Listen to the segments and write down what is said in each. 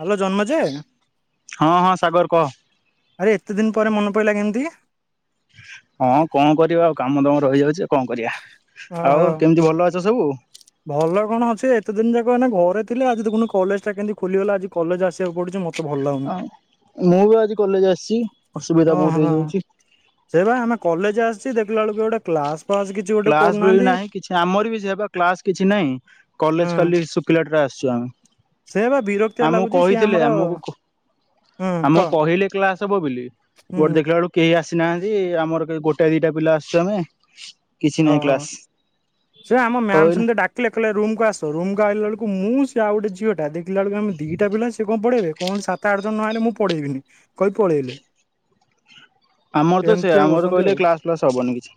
Hello ଜନ୍ମ ଯେ ହଁ ହଁ ସାଗର କହ ଆରେ ଏତେ ଦିନ ପରେ ମନେ ପଡିଲା କେମ ତି ହଁ କଣ କରିବା? କାମ ଦାମ ରହିଯାଉଛି ଆଉ କଣ କରିବା? ଓହୋ ଆଉ କେମିତି ଭଲ ଅଛ? [unintelligible] ସବୁ ଭଲ କଣ ଅଛି ଏତେ ଦିନ ଯାକ [unintelligible] ମାନେ ଘରେ ଥିଲେ ଆଜି ଦେଖୁନୁ କଲେଜ ଟା କେମତି ଖୋଲିଗଲା ଆଜି କଲେଜ ଆସିବାକୁ ପଡୁଛି ମ ଭଲ ଲାଗୁନି ମୁଁ ବି ଆଜି କଲେଜ ଆସିଛି ଅସୁବିଧା ଓ ବହୁତ ହୋ ହେଇଯାଉଛି। ସେ ବା ଆମେ କଲେଜ ଆସିଛି ଦେଖିଲା ବେଳକୁ ଗୋଟେ କ୍ଲାସ୍ କ୍ଲାସ ଭଳି ବି ନାହିଁ କିଛି ଆମର ବି ସେଇୟାଵା କ୍ଲାସ କିଛିନାଇଁ କଲେଜ ହୁଁ ଖାଲି ଶୁଖିଲାଟାରେ ଆସିଛୁ ଆମେ ସେ ବା ବିରକ୍ତିଆ ଆମକୁ ଲାଗୁଛି ସିଏ କହିଥିଲେ ଆମର ଆମକୁ ହୁଁ ଆମକୁ କହ କହିଲେ କ୍ଲାସ ବୋଲି ଗୋଟେ ହୁଁ ଦେଖିଲ ବଳକୁ କେହି ଆସ ନାହାନ୍ତି ଆମର କେ ଗୋଟାଏ ଦିଟା ପିଲା ଆସିୁଛୁ ଆମେ କିଛି ନାହିଁ ଓହଁ କ୍ଲାସ ସେ ଆମ ହଉ ମ୍ୟାାମ ଏଇନା ସେମିତି ଡାକିଲେ କହିଲେ ରୁମ କୁ ଆସ ରୁମ୍ କୁ ଆସିଲା ବେଳକୁ ମୁଁ ସେ ଆଉ ଗୋଟେ ଝିଅଟା ଦେଖିଲା ବେଳକୁ ଆମେ ଦିଟା ପିଲା ସେ କଣ ପଢେଇବେ କଣ ସାତ ଆଠ ଜଣ ନହେଲେ ମୁଁ ପଢେଇବିନି କହି ପଳେଇଲେ। ଆମର ତ ସେ ଏମିତିଆ ଆମର କରୁଛନ୍ତି ଆଉ କହିଲେ କ୍ଲାସ ଫ୍ଲାସ ହବନି କିଛି।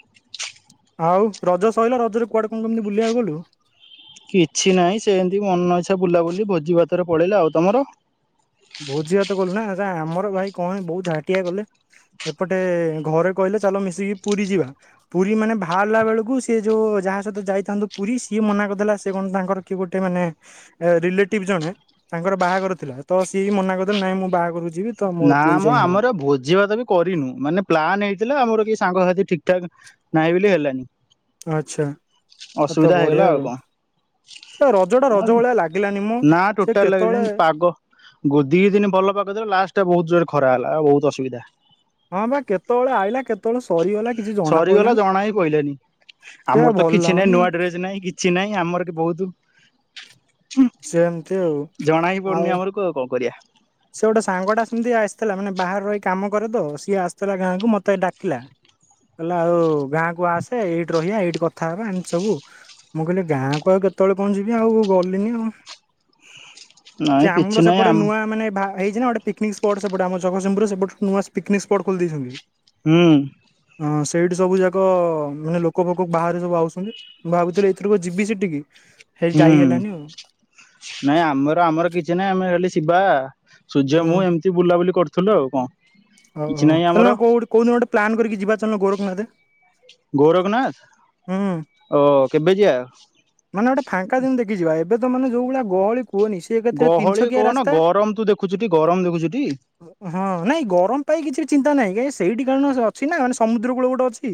ଆଉ ରଜ ସରିଲ ରଜରେ କୁଆଡେ କଣ କେମତି ବୁଲିବାକୁ ଗଲୁ। କିଛି ନାହିଁ ସେ ଏମିତି ମନ ଇଚ୍ଛା ବୁଲାବୁଲି ଭୋଜି ଭାତରେ ପଳେଇଲାା ଆଉ ତମର? ଭୋତ ଯିବା ତ ଗଲୁ ନା ଆମର ଭାଇ କଣ ବହୁତ ଝାଟିଆ ଗଲେ ଏପଟେ ଘରେ କହିଲେ ଚାଲ ମିଶିକି ପୁରୀ ଯିବା ପୁରୀ ମାନେ ବାହାରିଲା ବେଳକୁ ସେି ଯୋଉ ଯାହା ସହିତ ଯାଇଥାନ୍ତୁ ପୁରୀ ସିଏ ମନା କରିଥିଲା ସେ କଣ ତାଙ୍କର କିଏ ଗୋଟେ ମାନେ ରିଲେଟିଭ ଜଣେ ତାଙ୍କର ବାହାଘର ଥିଲା। ତ ସିଏ ମନା କରିଦେ ନାାଇ ମୁଁ ବାହା କରୁଛି। ନା ମୁଁ ଆମର ଭୋଜି ଭାତ ବି କରିନୁ ମାନେ ପ୍ଲାାନ ହେଇଥିଲା ଆମର କିଛି ସାଙ୍ଗସଥି ଠିକ ଠାକ୍ ନାହିଁ ବୋଲି ହେଲାନି। ଆଚ୍ଛା ତ ଅସୁବିଧା ବଢିଆ ହେଇଗଲା ଆଉ କଣ ସେ ରଜ ଟା ରଜ ଭଳିଆ ଲାଗିଲାନି ମ। ନା ସେ ଟୋଟାଲ ଲାଗ କେତେବେଳେ ପାଗ ଦି ଦିନ ଭଲ ପାଗ ଦେବ ଲାଷ୍ଟ ଖରା ହେଲା ବହୁତ ଅସୁବିଧା। ହଁ ବା କେତେବେଳେ ଆଇଲାା କେତେବେଳେ? ସରିଗଲା କିଛି ଜଣା ସରିଗଲା ପଇଲାନି। ଜଣା ହି କହିଲେନି ସେଆ ଆମର ତ ଭଲ କିଛି ନାହିଁ ଲାଗୁନି ଆଉ। ନୂଆ ଡ୍ରେସ ନାହିଁ କିଛି ନହିଁ ଆମର କି ବହୁତ ସେମତି ଆଉ। ଜଣା ହିଁ ଆଉ ପଡୁନି ଆମର କ କଣ କରିବା। ସେ ଗୋଟେ ସାଙ୍ଗଟା ସେମିତି ଆସିଥିଲା ମାନେ ବାହାରେ ରହିି କାମ କରେ ତ ସିଏ ଆସିଥିଲା ଗାଁକୁ ମତେ ଡାକିଲା କହିଲା ଆଉ ଗାଁକୁ ଆସେ ଏଇଠି ରହିବା ଏଇଠି କଥା ହେବା ଏମିତି ସବୁ ମୁଁ କହିଲି ଗାଁକୁ ଆଉ କେତେବେଳେ କଣ ଯିବି ଆଉ ଗଲିନି ଆଉ। ନାଇଁ କିଛି ନହିଁ ଆମ ବା ହେଇଛି ନା ଗଟେ ପିକନିକ ସ୍ପଟ ସେପଟେ ଆମ ଜଗସିଂପରୁ ସେଟ ନୂଆ ପିକ୍ିକ ସ୍ପଟ ଖୋଲି ଦେଇଉଛନ୍ତି। ହଁ। ହଁ ସେଇଠି ସବୁ ଯାକ ମାନେ ଲୋକ ଫୋକକୁ ବାହାରେ ସବୁ ଆସଛନ୍ତି ମୁଁ ଭାବୁଥିଲି ଏଥିରୁ କ ଯିବି ସେଠ କି ହୁଁ ନାଇଁ ଆମର ଆମର କିଛି ନାଇଁ ଆମେ ହେ ଶିବା। ସୂର୍ଯ୍ୟ ମୁଁ ଏମିତି ବୁଲାବୁଲି କରୁ ଥିଲୁ ଆଉ କଣ? କିଛି ଓହୋ ନାହିଁ ଆମର ହେଲେ କଉ କୋଉ ଦିନ ଗୋଟେ ପ୍ଲାନ୍ କରିକି ଯିବା। [unintelligible] ହୁଁ। ଗୌରବନାଥ ଓ। କେବେ ଯିବା? ମାନେ ଗୋଟେ ଫାଙ୍କା ଦିନ ଦେଖି ଯିବା ଏବେ ଏବେ ତ ମାନେ ଯଉ ଭଳିଆ ଗହଳି କୁହନି ସେ ଏକାତରେ ତିନି ଗହଳି ଛକିଆ କହନା ରାସ୍ତା ଗରମ ତୁ ଦେଖୁଛୁ ଟି ଗରମ ଦେଖୁଛୁଟି? ହଁ ନାଇଁ ଗରମ ପାଇଁ କିଛି--। ଚିନ୍ତାହିଁାଁ ସେଇଟି କାରଣ ଅଛି ନା ମାନେ ସମୁଦ୍ର କୂଳ ଗୋଟେ ଅଛି।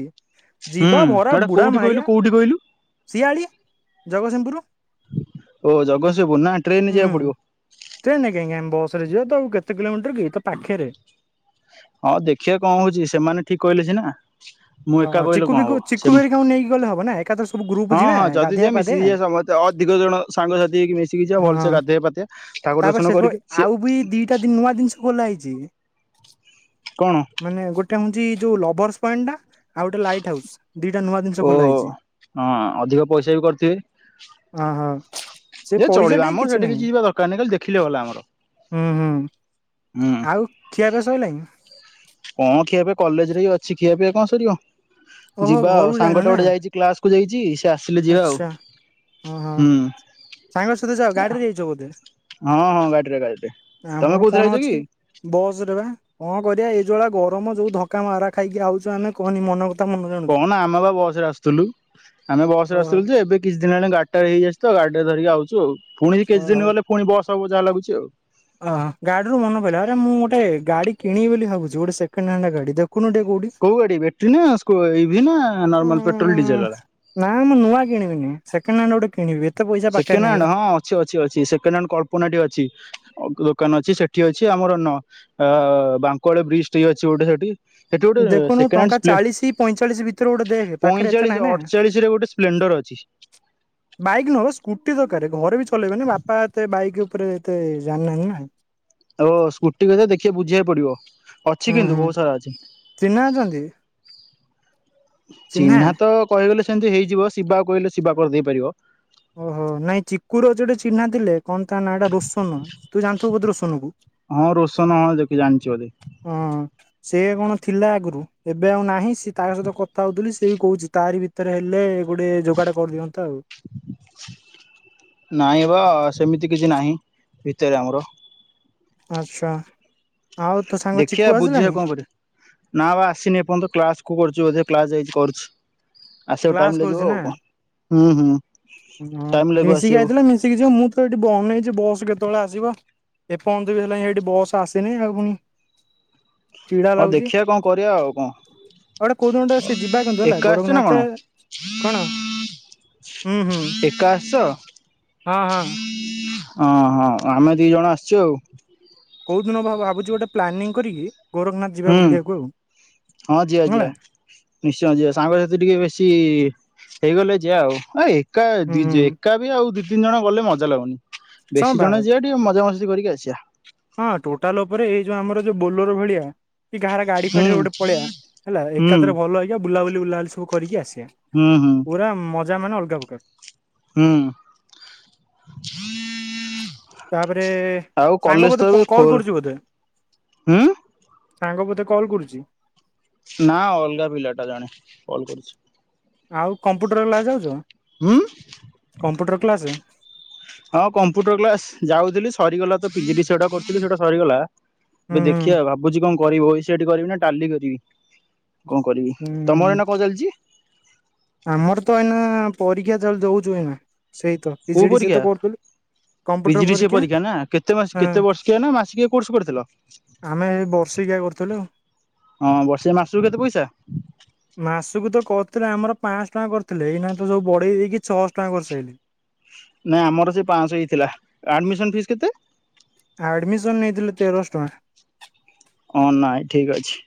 ହୁଁ ଯିବା ଭରା ହେଟା ବୁଢା କୋଉଠି ମାହାରିଆ କହିଲୁ କୋଉଠି କହିଲୁ? ଶିଆଳି ଜଗତସିଂହପୁର ଓ ଜଗତସିଂହପୁର ନା ଟ୍ରେନରେ ଯିବାକୁ ହୁଁ ପଡିବ। ଟ୍ରେନରେ କାହିଁକ ଆମେ ବସ ରେ ଯିବା ତ ଆଉ। କେତେ କିଲୋମିଟର କି ତ ପାଖରେ। ହଁ ଦେଖିବା କଣ ହଉଛି ସେମାନେ ଠିକ କହିଲେ ସିନା। ମୁଁ ଅ ଏକା କହିଲେ ଚିକୁ କଣ ଫିକୁ ହବ ଚିକୁ ସେ ହେରିକାଙ୍କୁ ନେଇକି ଗଲେ ହବ ନା ଏକାଥରେ ସବୁ ଗ୍ରୁପ ହଁ ଯିବା ହଁ ଯଦି ଗାଧେଇବା ଯିବା ମିଶିକି ପାଧେଇବା ଯିବା ସମସ୍ତେ ଅଧିିକ ଜଣ ସାଙ୍ଗସାଥି ହେଇକି ମିଶିକି ଯିଵା ହଁ ଭଲସେ ଗାଧୋଇଆବା ପାଧେଇଵା ଠାକୁର ତାପରେ ସେ ଦର୍ଶନ କରିକି ଆସିଆ। ଆଉ ବି ଦିଟା ନୂଆ ଜିନିଷ ଖୋଲା ହେଇଛି ମାନେ ଗୋଟେ ହଉଛି। ଯୋଉ ଲଭର୍ସ ପଏଣ୍ଟ ଟା? ଆଉ ଗୋଟେ ଲାଇଟ୍ ହାଉସ୍। ଦିଟା ନୂଆ ଜିନିଷ ଓ ଖୋଲା ହେଇଛି ହଁ ଅଧିକ ପଇସା ବି କରିଥିବେ ଅ ହ ସେ ଯେ ଚଳିବ ପଇସା ଠେଇ ଆମର କିଛି ସେଠି ନାହିଁ ଯିବା ଦରକାର ନାହିଁ ଖାଲି ଦେଖିଲେ ଗଲା ଆମର। ହୁଁ ହୁଁ ହୁଁ ଆଉ ଖିଆ ପିଆ ସଲାଣି? କଣ ଖିଆ ପିଆ କଲେଜ ରେ ହି ଅଛି ଖିଆ ପିଇଆ କଣ ସରିବ। ଓହୋ ଯିବା ଆଉ ଘରକୁ ଯାଇନ ସାଙ୍ଗଟା ନା ଗୋଟେ ଯାଇଛି କ୍ଲାସ କୁ ଯାଇଛି । ଆଚ୍ଛା ହଁ ହଁ ହୁଁ ସାଙ୍ଗ ସହିତ ଯାଅ ଗାଡ଼ିରେ ଯାଇଛ ବୋଧେ? ହଁ ହଁ ଗାଡିରେ ଗାଡିରେ ତମେ ଆମର କୋଉଥିରେ କଣ ଆଇଛ କି ଅଛି ବସ ରେ ବା କଣ କରିବା ଏଇ ଯୋଉ ଭଳିଆ ଗ ରମ ଯୋଉ ଧକା ମାରା ଖାଇକି ଆଉଛ ଆମେ କହନି ମନ କଥା ମନ ଜାଣୁଛୁ କହନା ଆମେ ବା ବସରେ ଆସୁଥିଲୁ। ବସ ରେ ଓହୋ ଆସିଥିଲି ଯେ ଏବେ କିଛି ଦିନ ଗାଡି ଟା ନେଇଆସିଛି ତ ଗଡିଟା ଧରିକି ଆଉଚୁ ଆଉ। ପୁଣି କିଛି ଦିନ ଗଲେ ପୁଣି ବସ । ତମକୁ ଜାହା ଲାଗୁଚି ଆଉ। ଓ ହୋ ଗାଡିରୁ ମନେ ପିଲା ଆରେ ମୁଁ ଗୋଟେ ଗା କିଣିବ ବୋଲି ଭାବୁଛି ଗୋଟେ ସେକେଣ୍ଡ ହ୍ୟାଣ୍ଡ ଗାଡି ଦେଖ କୋଉ ଗାଡି ବେଟ୍ରି ନା ସ୍କୁ ଇଭି ନା ଉଁ ନର୍ମାଲ ପେଟ୍ରୋଲ ଡିଜେଲ ବାଲା? ନା ମୁଁ ନୂଆ କିଣିବିନି ସେକେଣ୍ଡ ହ୍ୟାଣ୍ଡ ଗୋଟେ କିଣିବି ଏ ସେକେଣ୍ଡ ହ୍ୟାଣ୍ଡ ହଁ ଅଛି ଅଛି ଅଛି ସେକେଣ୍ଡ ହ୍ୟାଣ୍ଡ କଳ୍ପନା ଟି ଅଛି। ଅ ଦୋକାନ ଅଛି ସେଠି ଅଛି ଆମର ନ ଅ ବାଙ୍କୁଆଳ ବ୍ରିଜ ଠେଇ ଅଛି ଗୋଟେ ସେଠି। ସେଠି ଗୋଟେ ଦେଖୁନୁ ସେକେଣ୍ଡ ହ୍ୟାଣ୍ଡ ଟଙ୍କା ସ୍ପ୍ଲେ ଚାଳିଶି ପଇଁଚାଳିଶି ଭିତରେ ଗୋଟେ ଦେଖ ପାଖରେ ଏତେ ପଇଁଚାଳିଶ ନାହିଁ ନା ଅଠଚାଳିଶ ରେ ଗୋଟେ ସ୍ପ୍ଲେଣ୍ଡର ଅଛି ବାଇକ୍ ନୁହଁ ବେ ସ୍କ ସ୍କୁଟି ଦରକାର ଘରେ ବି ଚଲେଇବେନି ବାପା ଏତେ ବାଇକ ଉପରେ ଏତେ ଜାଣିନାହାନ୍ତି ନା। ଓ ସ୍କୁଟି କଥା ଦେଖି ବୁଝିବାକୁ ପଡିବ। ଅଛି ହୁଁ କିନ୍ତୁ ହୁଁ ବହୁତ ସାରା ଅଛି ଚିହ୍ନା ଅଛନ୍ତି। ଚିହ୍ନା ତ କହିଗଲେ । ସେମିତି ହେଇଯିବ ଶିବାକୁ କହିଲେ ଶିବା କରିଦେଇ ପାରିବ। ଓହୋ ନାଇଁ ଚିକୁ ର ଯୋଉଟେ ଚିହ୍ନା ଥିଲେ । କଣ ତା ନାଁ ଟା ରୋସନ ତୁ ଜାଣିଥିବୁ ବୋଧେ ରୋସନକୁ ହଁ ରୋଶନ ହଁ ଦେଖି ଜାଣିଛି ବୋଧେ । ହଁ ସେ କଣ ଥିଲା ଆଗରୁ ଏବେ ଆଉ ନାହିଁ ସିଏ ତାଙ୍କ ସହିତ କଥା ହଉଥିଲି ସେ ବି କହୁଛି ତାରି ଭିତରେ ହେଲେ ଗୋଟେ ଯୋଗାଡ କରି ଦିଅନ୍ତା ଆଉ। ନାଇଁ ବା ସେମିତି କିଛି ନାହିଁ ଭିତରେ ଆମର। ଆଚ୍ଛା। ଆଉ ତୋ ସାଙ୍ଗ ଚିକୁ ଦେଖିଆ ବୁଝିଆ ଆସିଲାଣି କଣ କରିଆ, ନା ବା ଆସିନି ଏପର୍ଯ୍ୟନ୍ତ କ୍ଲାସକୁ କରୁଛି ବୋଧେ। କ୍ଲାସ ଯାଇଛି କରୁଛି। ଆସିବାକୁ ଟାଇମ କ୍ଲାସ୍ ଲାଗିବ କରୁଛି ନା, ଆଉ କଣ ହୁଁ ହୁଁ ଉଁ ଟାଇମ ଲାଗିବ ମିଶିକି ଆସିବାକୁ। ଆଇଥିଲେ ମିଶିକି ଯିବା ମୁଁ ତ ଏଠି ବନେଇଛି ବସ୍ କେତେ କେତେବେଳେ ଆସିବ ଏପର୍ଯ୍ୟନ୍ତ ବି ହେଲାଣି ଏଇଠି ବସ୍ ଆସିନି ଆଉ ପୁଣି ଚିଡା ହଁ ଲାଗୁଛି। ଦେଖିଆ ଆଉ କଣ କରିଆ ଆଉ କଣ, ଗୋଟେ କୋଉ ଦିନ ଗୋଟେ ସେ ଯିବା କିନ୍ତୁ ହେଲା ଏକା ଆସିଛୁ ନା? ଗୋରଖନାଥ କଣ, କଣ ହୁଁ ହୁଁ ଏକା ଆସିଛ? ହଁ ହଁ। ହଁ ହଁ ଆମେ ଦି ଜଣ ଆସିଛୁ ଆଉ। କୋଉ ଦିନ ଭ ଭାବୁଛି ଗୋଟେ ପ୍ଲାନିଂ କରିକି ଗୋରଖନାଥ ଯିବା ହୁଁ, ବୁଲିବାକୁ ଆଉ ହଁ ଯିଆ ଯିଆ ହେଲା ନିଶ୍ଚୟ ଯିିଆ ସାଙ୍ଗସାଥି ଟିକେ ବେଶୀ ହେଇଗଲେ ଯିଆ ଆଉ [unintelligible] ଏକା ହୁଁ ହୁଁ। ଦିଜେ ଏକା ବି ଆଉ ଦି ତିନି ଜଣ ଗଲେ ମଜା ଲାଗୁନନି। ହଁ ବେଶୀ ବା ଜଣ ଯିିବା ଟିକେ ମଜା ମସ୍ ମସ୍ତି କରିକି ଆସିବା। ହଁ ଟୋଟାଲ ଉପରେ ଏଇ ଯୋଉ ଆମର ଯୋଉ ବୋଲୋର ଭଳିଆ। କି କାହାର ଗାଡି ହୁଁ ଫାଡିରେ ଗୋଟେ ପଳେଇଆ, ହେଲା ହୁଁ ଏକାଥରେ ଭଲ [unintelligible] ବୁଲାବୁଲି ବୁଲାବୁଲି ସବୁ କରିକି ଆସି ହୁଁ ହୁଁ [inaudible] ପୁରା ମତ୍ ତା ମାନେ ଅଲଗା ପ୍ରକାର। ହୁଁ ତା [unintelligible] ଏଏଏ ଆଉ ସାଙ୍ଗ କଲେଜ ତ ବୋଧେ ଏବେ କଲ୍ ଖୋଲ କରୁଛି ବୋଧେ। ହୁଁ ସାଙ୍ଗ ବୋଧେ କଲ୍ କରୁଛି? ନା ଅଲଗା ପିଲାଟା ଜଣେ। କଲ୍ କରିଛି। ଆଉ। କମ୍ପୁଟର କ୍ଲାସ୍ ଯାଉଛ ହୁଁ କମ୍ପୁଟର କ୍ଲାସେ? ହଁ କମ୍ପ୍ୟୁଟର କ୍ଲାସ୍ ଯାଉଥିଲି ସରିଗଲା ତ ପିଜିଡିସିଏଟା କରୂଥିଲି ସେଇଟା ସରିଗଲା। ହୁଁ [unintelligible] ହୁଁ ଦେଖିବା ଭାବୁଛୁ କଣ? କରିବ [unintelligible] କରିବି ନା ଟାଲି କରିବି? କଣ କରିବି, ତମର ହୁଁ ଏନା କଣ ଚାଲିଛି? ଆମର ତ ଏଇନା ପରୀକ୍ଷା ଚାଲିଛି ଦଉଛୁ ଏଇନା। ସେଇ ତ କୋଉ ପିଜିଡି ସେ ପରିକା? ତ କରୁଥିଲୁ କମ୍ପ୍ୟୁଟର ପିଜିଡିସିଏ ପରୀକ୍ଷା ପରିକା ନା, କେତେ ହଁ ବର୍ଷିକିଆ ନା ମାସିକିଆ କୋର୍ସ କରିଥିଲ? ଆମେ ବର୍ଷିକିଆ କରୁଥିଲୁ ହଁ ବର୍ଷେ ମାସକୁ କେତେ ପଇସା? ପାଅଁଶ ଟଙ୍କା କରିଥିଲେ, ଏଇନା ତ ସବୁ ବଢେଇ ଦେଇକି ଛଅଶହ ଟଙ୍କା କରିସାରିଲେଣି। ନାଇଁ ଆମର ସେ ପାଞ୍ଚଶହ ହେଇ ଥିଲା ଆଡମିସନ ଫିସ୍ କେତେ? ଆ ଆଡମିସନ ନେଇଥିଲେ ତେରଶହ ଟଙ୍କା। ହଁ ନାଇଁ ଠିକ ଅଛି।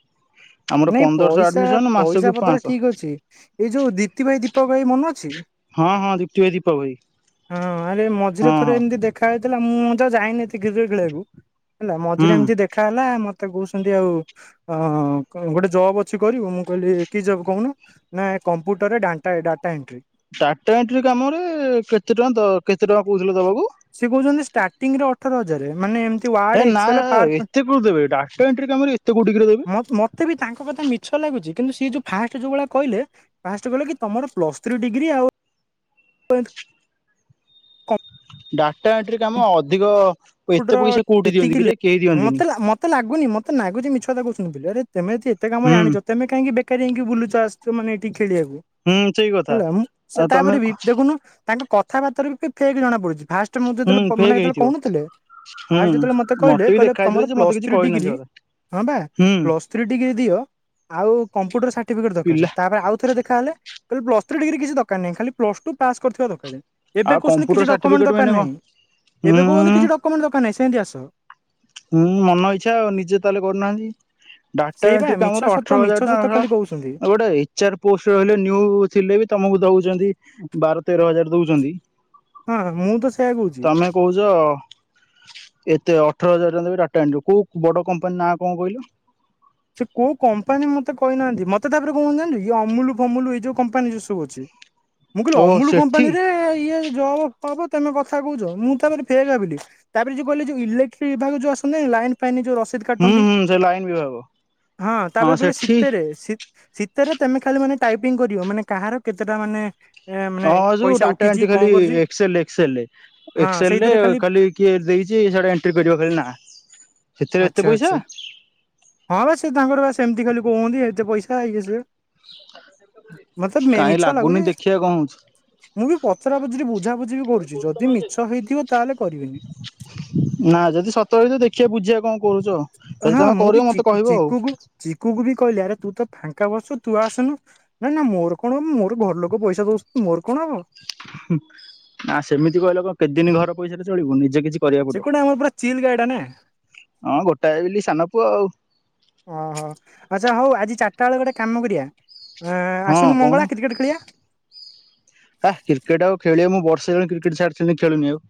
ଆମର ନାଇଁ ପନ୍ଦରଶହ ପଇସା ଆଡମିସନ ମାସକୁ ପଇସା ପତ୍ର ପାଞ୍ଚଶହ। ଠିକ ଅଛି ଏଇ ଯୋଉ ଦୀପତି ଭାଇ ଦୀପକ ଭାଇ ମନେ ଅଛି। ହଁ ହଁ ଦୀପ୍ତି ଭାଇ ଦୀପକ ଭାଇ [inaudible] ହଁ ଆରେ ମଝିରେ ହଁ ଥରେ ହଁ ଏମିତି ଦେଖାଇଛି। ଥିଲା ମୁଁ ତ ଯାଇନି ଏତି କ୍ଷରେ ଖେଳିବାକୁ? ହେଲା ହୁଁ। ମଝିରେ ଏମିତି ଦେଖା ହେଲା ମତେ ମତେ କହୁଛନ୍ତି ଆଉ ଅ ଗୋଟେ ଜବ୍ ଅଛି କରିବୁ ମୁଁ କହିଲି କି ଜବ୍ କହୁନ ନା କମ୍ପ୍ୟୁଟର ରେଟା ଡାଟା ଏଣ୍ଟ୍ରି। ଟାଟା ଏଣ୍ଟ୍ରି କାମରେ କେତେ ଟଙ୍କା କେତେ ଟଙ୍କା କହୁଥିଲେ ଦବାକୁ? ସେ କହୁଛନ୍ତି ଷ୍ଟାର୍ଟିଂ ରେ ଅଠର ହଜାର ମାନେ ଏମତି ଏ ନା ଏତେ କୋଉଠି ଦେବେ ଡାଟା ଏଣ୍ଟି କାମ ଏତେ କୋଉଠିକ ପଏଣ୍ଟ ମତେ ବି ତାଙ୍କ କଥା ଦେବେ। [inaudible] ମିଛ ଲାଗୁଛି କିନ୍ତୁ ସିଏ ଯେଉ ଫାଷ୍ଟ ଯେଉଁ ଭଳିଆ କହିଲେ ଫାଷ୍ଟ କହିଲେ କି ତମର ପ୍ଲସ୍ ଥ୍ରୀ ଡିଗ୍ରୀ ଆଉ [unintelligible] ଡାଟା ଏଣ୍ଟ୍ରି କାମ ଅଧିକ ଏତେ ପଇସା କୋଉଠି ଦିଅନ୍ତି ତିକି କିରେ କେହି ଦିଅନ୍ତିନି। ମତେ ମତେ ଲାଗୁନି ମତେ ଲାଗୁଛି ମିଛ କଥା [unintelligible] ତେମେ ଏତେ କାମ ହୁଁ ଜାଣିଛ ତେମେ କାହିଁକି ଯାଇକି ବୁଲୁଚ ଆ ସେମାନେ ଖେଳିବାକୁ ହୁଁ ସେଇ କଥା ହେଲା ମୁଁ ସେ ଆଉ ତମେ ତାପରେ ବି ହୁଁ ଦେଖୁନୁ? ତାଙ୍କ କଥାବାର୍ତା ବି ଫେକ୍ ଜଣା ପଡୁଛି। ଫାଷ୍ଟ ମୁଁ ଯେତେବେଳେ ମାନେ ଫେକ୍ ଯେତବେଳେ ହେଇଥିବ। କହୁନଥିଲେ। ଫାଷ୍ଟ ହୁଁ ଯେତେବେଳେ ମତେ କହିଲେ ବି କହିଲେ ଦେଖା ହେଇଥିଲେ ତମର ଯେ ମତେ ପ୍ଲସ୍ କିଛି ଥ୍ରୀ କହିନାହାନ୍ତି ଡିଗ୍ରୀ ସେ କଥା ହଁ ବା ହୁଁ ପ୍ଲସ ଥ୍ରୀ ଡିଗ୍ରୀ ଦିଅ ଆଉ କମ୍ପୁଟର ସା ଷାଠିପିକେଟ ପିଲା ତାପରେ ଆଉଥରେ ଦେ ଖାଲେ ଖାଲି ପ୍ଲ ଥ୍ରୀ ଡିଗ୍ରୀ କିଛି ଦକାର ନାହିଁ ଖାଲି ପ୍ଲ ଟୁ ପାସ୍ କରିଥିବା ଦରକାର। ଏବେ ଆଉ କହୁଛନ୍ତି କିଛି କମ୍ପୁଟର ଡକ୍ୟୁମେଣ୍ଟ ଷାଠିପିକେଟ ଦରକାର ମାନେ କଣ ଉଁ ନାଇଁ ସେମିତି ଆସିବ। ମୁଁ ମନ ଇଚ୍ଛା ଆଉ ନିଜେ ତାହେଲେ କରୁନାହାନ୍ତି। ଡାଟା ସେଇ ବା ଏଣ୍ଟ୍ରି ମିଛ କାମରେ ସତ ଅଠର ମିଛ ହଜାର ସତ ଟଙ୍କା ଖାଲି କହୁଛନ୍ତି ଗୋଟେ ଏଚର ପୋଷ୍ଟ ରହିଲେ ନିଉ ଥିଲେ ବି ତମକୁ ଦଉଛନ୍ତି। ବାର ତେର ହଜାର ଦଉଛନ୍ତି। ହଁ ମୁଁ ତ ସେଇୟା କହୁଛି। [inaudible] ତମେ କହୁଛ ଏତେ ଅ ଅଠର ହଜାର ଦେବେ ଟାଟା ଆଣିବ କୋଉ ବଡ କମ୍ପାନୀ ନାଁ କଣ କହିଲୁ। ସେ କୋଉ କମ୍ପାନୀ ମତେ କହିନାହାନ୍ତି ମତେ ତାପରେ କଣ ଜାଣିଛୁ ଏ ଅମୁଲ ଫମୁଲୁ ଏଇ ଯୋଉ କମ୍ପାନୀ ଯୋଉ ସବୁ ଅଛି। ମୁଁ କହିଲି ଓ ଅମୁଲ ସେଠି କମ୍ପାନୀ ରେ ଇଏ ଜବ ଫବ ତମେ କଥା କହୁଛ ମୁଁ ତାପରେ ଫେ ଭାବିଲି ତାପରେ ଯଉ କହିଲି ଯଉ ଇଲେକ୍ଟ୍ର ବିଭାଗ ଯୋଉ ଆସ ଲାଇନ ଫାଇନ ରସିଦ ହୁଁ କାଟନ୍ତି ହୁଁ ସେଇ ଲାଇନ ବି ହବ। ହଁ ତାପରେ କହିଲି ଶୀତରେ ଶୀତ ଶୀତରେ ତେମେ ଖାଲି ମାନେ ଟାଇପିଂ କରିବ ମାନେ କାହାର କେତେଟା ମାନେ ଏ ମାନେ ହଁ ଜଉ ପଇସା ଡାଟା ଉଠିଛି ଏଣ୍ଟ୍ରି କଣ ଖାଲି କରୁଛି ଏକ୍ସଲ ଏକ୍ସଲ ରେ ହଁ ଏକ୍ସଲ ରେ ସେଇଥିରେ ଖାଲି କିଏ ଦେଇଛି ସେଟା ଏଣ୍ଟ୍ରି କରିବ ଖାଲି ନା। ସେଥିରେ ଏତେ ଆଚ୍ଛା ପଇସା ଆଚ୍ଛା ହଁ ବା ସେ ତାଙ୍କର ବା ସେମତି ଖାଲି କୁହନ୍ତି ଏତେ ପଇସା ସେ ହେଇ ସ [unintelligible] କାହିଁ ଲାଗୁନି ଲାଗୁଛି ଦେଖିବା କ'ଣ ହଉଛି। ମୁଁ ବି ପଚରା ପଚରି ବହୁ ତାହେଲେ କରିବିନି। ନା ଯଦି ସତ ହେଇଥିବ ଦେଖିବା ବୁଝିବା କଣ କରୁଛ ଆଉ। ଯଦି ହଁ ତମେ ମୁଁ କରିବ ବି ମତେ କହିବ ଆଉ ଚିକୁୁକୁ ଚିକୁୁକୁୁ ବି କହିଲି ଆରେ ତୁ ତ ଫାଙ୍କା ବସଛୁ ତୁ ଆସୁନୁ ନା ନା ମୋର କଣ ହବ ମୋର ଘର ଲୋକ ପଇସା ଦଉଛନ୍ତିୁୁ ମୋର କଣ ହବ ନା ସେମିତି କହିଲ କଣ କେତେଦିନ ଘର ପଇସାରେ ଚଳିବୁ ନିଜେ କିଛି କରିବାକୁ ପଡିବ ସେକୁଡା ଆମର ପୁରା ଚିଲ ଗାଡା ନା ହଁ ଗୋଟାଏ ବୋଲି ସାନ ପୁଅ ଆଉ। ଓହୋ ଆଚ୍ଛା ହଉ ଆଜି ଚାରିଟା ବେଳେ ଗୋଟେ କାମ କରିବା। ହ ହଁ ଆସୁନୂ କହୁନୁ ମଙ୍ଗଳା କ୍ରିକେଟ୍ ଖେଳିଆ ଆ କ୍ରିକେଟ ଆଉ ଖେଳିବା ମୁଁ ବର୍ଷେ ହେଲାଣି କ୍ରିକେଟ ଛାଡିଥିଲି ଖେଳୁନି ଆଉ।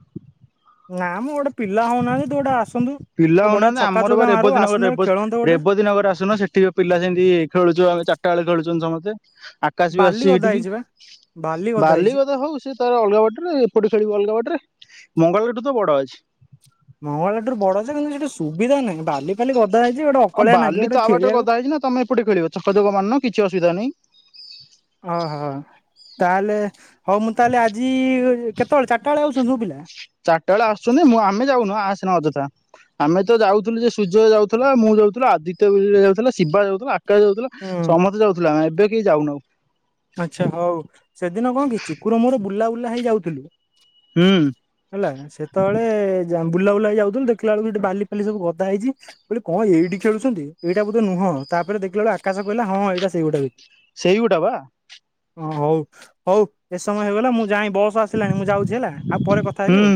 ନା ମ ଗୋଟେ ପିଲା ହଉନାହାନ୍ତି ତୁ ଗୋଟେ ଆସନ୍ତୁ। ତ ପିଲା ବଢିଆ ହଉନାହାନ୍ତି ଛକା ଆମର ବା ଚୌକା ମାରୁ ଆସନ୍ତା ରେବତୀନଗର ଖେଳନ୍ତେ ଗୋଟେ ରେବତୀ ନଗର ଆସୁନ ସେଠି ପିଲା ସେମିତି ଖେଳୁଛୁ ଆଉ ଚାରିଟା ବେଳେ ଖେଳଛୁ। ଚିନିଛ ମତେ, ଆକାଶ ବି ବାଲି ଆସୁଛି ଗଦା ଏଇଠିକି ହେଇଛି ବା ଗଦା ବାଲି ହେଇଛି। କଥା ହଉ ସେ ତାର ଅଲଗା ବାଟରେ ଏପଟେ ଖେଳିବ ଅଲଗା ବାଟରେ। ମଙ୍ଗଲାବାଗ ଠୁ ତ ବଡ ଅଛି। ମଙ୍ଗଳାବାଗଠାରୁ ବଡ ଯେ କିନ୍ତୁ ସେଠି ସୁବିଧା ନାହିଁ ବାଲି ଫାଲି ଗ ଆଁ ବାଲି ତା ବାଟରେ ଗଦା ହେଇଛି ନା ତମେ ଏପଟେ ଖେଳିବ ଛକା ଚୌକା ମାରୁନ କିଛି ଅସୁବିଧା ନାହିଁ। ଓହୋ। ତାହେଲେ ହଉ ମୁଁ ତାହେଲେ ଆଜି କେତେବେଳେ ଚାରିଟା ବେଳେ ଆଉଛନ୍ତି ସବୁ ପିଲା। ସେନା ଅଯଥା ଆମେ ତ ଯାଉଥିଲୁ ଯେ ସୂର୍ଯ୍ୟ ଯାଉଥିଲା ମୁଁ ଯାଉଥିଲୁ ଆଦିତ୍ୟ ବି ଯାଉଥିଲା ଶିବା ଯାଉଥିଲା। ଆକାଶ ଯାଉଥିଲା ହୁଁ। ସମସ୍ତେ ଯାଉଥିଲୁ ଆମେ ଏବେ। କି ଯାଉନାଉ। ଆଚ୍ଛା ହଉ ସେଦିନ କଣ କି ଚିକୁର ମୋର ବୁଲା ବୁଲା ହେଇଯାଉଥିଲୁ। ହୁଁ ହେଲା ସେତେବେଳେ ଜା ବୁଲାବୁଲା ହେଇ ଯାଉଥିଲୁ ଦେଖିଲା ବଳକୁ ସେଠି ବାଲି ଫାଲି ସବୁ ଗଦା ହେଇଛି ବୋଲି କଣ ଏଇଠି ଖେଳୁଛନ୍ତି ଏଟା ବୋଧେ ନୁହଁ ତାପରେ ଦେଖା ବେଳକୁ ଆକାଶ କହିଲା ହଁ ଏଇଟା ସେଇଗୋଟା କ ହିଁ। ସେଇ ଗୋଟା ପା। ହଁ ହଉ ହଉ ଏ ସମୟ ହେଇଗଲା ମୁଁ ଯଯାଏଁ । ହେବି ହୁଁ ଆଉ।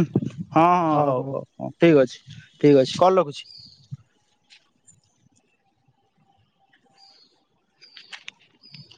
ହଁ ହଁ ହଉ ହଉ ହଉ ଠିକ ଅଛି ଠିକ ଅଛି କଲ ରଖୁଛି।